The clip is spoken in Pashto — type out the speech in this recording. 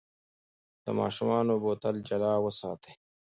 د ماشوم بوتل جلا وساتئ.